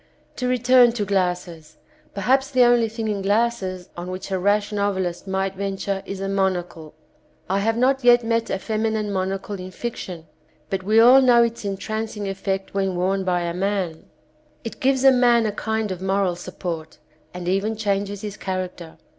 To return to glasses. Perhaps the only thing in glasses on which a rash novelist might venture is the monocle. I have not yet met a feminine monocle in fiction, but we all know its entrancing effect when worn by a man. We even realise its power in real life. It gives a man a kind of moral support and even changes his character.